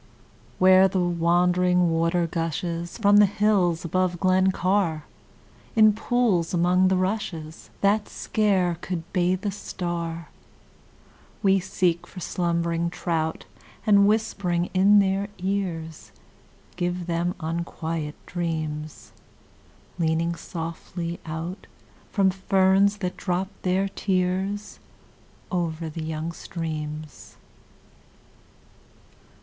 Where the wandering water gushes From the hills above Glen Car, In pools among the rushes That scare could bathe a star, We seek for slumbering trout And whispering in their ears Give them unquiet dreams; Leaning softly out From ferns that drop their tears Over the young streams.